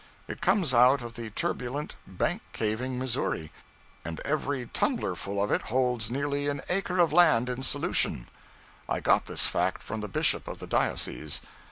It comes out of the turbulent, bank caving Missouri, and every tumblerful of it holds nearly an acre of land in solution. I got this fact from the bishop of the diocese.